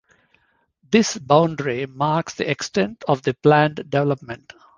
This boundary marks the extent of the planned development.